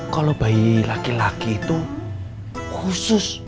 kalau bayi laki laki itu khusus